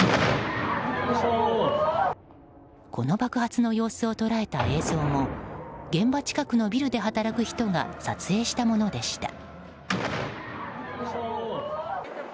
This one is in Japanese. この爆発の様子を捉えた映像も現場近くのビルで働く人が撮影したものでした。